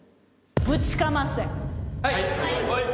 はい。